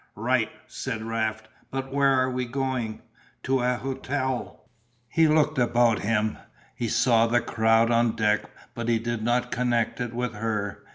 "Right," said Raft, "but where are you going?" "To an hotel." He looked about him. He saw the crowd on deck but he did not connect it with her.